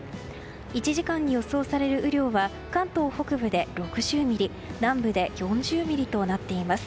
１時間に予想される雨量は関東北部で６０ミリ南部で４０ミリとなっています。